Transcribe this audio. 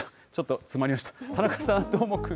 ちょっと詰まりました。